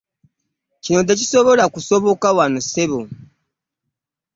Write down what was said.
Kino tekisobola kusoboka wano ssebo.